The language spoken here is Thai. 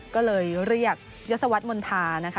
ก็เลยเรียกยศวรรษมณฑานะคะ